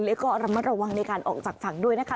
แล้วก็ระมัดระวังในการออกจากฝั่งด้วยนะคะ